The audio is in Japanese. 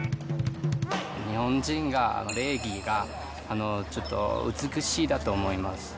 日本人は礼儀がちょっと美しいだと思います。